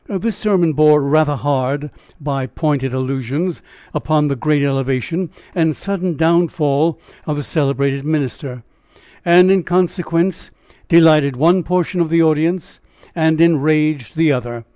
This sermon bore rather hard (by pointed allusions) upon the great elevation and sudden downfall of the celebrated minister, and, in consequence, delighted one portion of the audience and enraged the other.